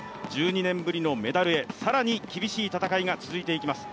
１２年ぶりのメダルへ、更に厳しい戦いが続いていきます。